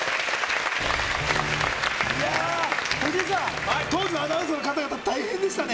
いやぁ、藤井さん、当時のアナウンサーの方々、大変でしたね。